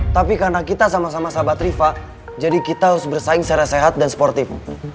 tapi karena kita sama sama sahabat rifa jadi kita harus bersaing secara sehat dan sportif